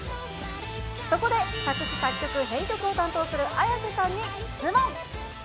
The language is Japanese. そこで作詞作曲編曲を担当するＡｙａｓｅさんに質問。